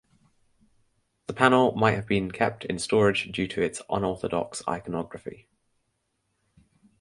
The panel might have been kept in storage due to its unorthodox iconography.